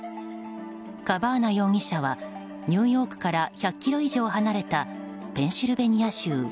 カバーナ容疑者はニューヨークから１００ｋｍ以上離れたペンシルベニア州